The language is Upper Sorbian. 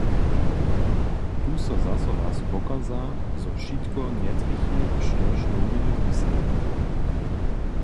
Tu so zaso raz pokaza, zo wšitko njetrjechi, štož nowiny pisaja.